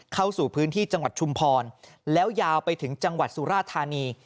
เข้าสู่พื้นที่จังหวัดชุมพรแล้วยาวไปถึงจังหวัดสุราธานี